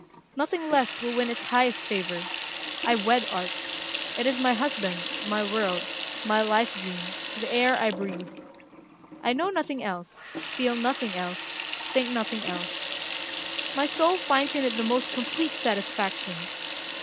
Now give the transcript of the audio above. Nothing less will win its highest favor. I wed art. It is my husband, my world, my life dream, the air I breathe. I know nothing else, feel nothing else, think nothing else, My soul finds in it the most complete satisfaction....